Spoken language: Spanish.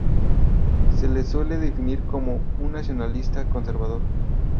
Se le suele definir como un nacionalista conservador.